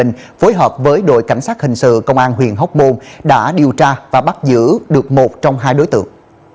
phối hợp với đội cảnh sát hình sự công an huyện hóc môn đã điều tra và bắt giữ được một trong hai đối tượng